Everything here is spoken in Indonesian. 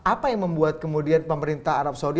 apa yang membuat kemudian pemerintah arab saudi